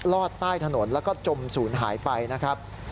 อดใต้ถนนแล้วก็จมศูนย์หายไปนะครับ